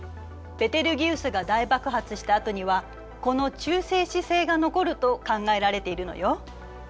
ベテルギウスが大爆発したあとにはこの中性子星が残ると考えられているのよ。